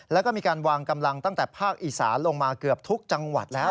แล้วก็มีการวางกำลังตั้งแต่ภาคอีสานลงมาเกือบทุกจังหวัดแล้ว